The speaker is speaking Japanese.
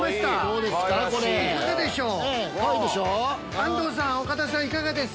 安藤さん岡田さんいかがです？